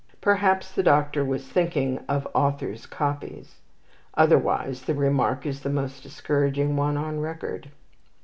Perhaps the Doctor was thinking of authors' copies. Otherwise the remark is the most discouraging one on record.